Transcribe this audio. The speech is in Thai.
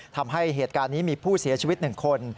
ทำให้เหตุการณ์นี้มีผู้เสียชีวิต๑คน